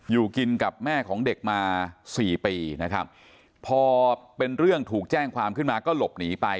อยู่กินกับแม่ของเด็กมาสี่ปีนะครับพอเป็นเรื่องถูกแจ้งความขึ้นมาก็หลบหนีไป